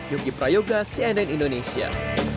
yogi prayoga cnn indonesia